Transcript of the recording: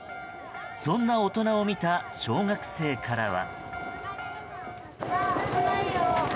そんな大人を見た小学生からは。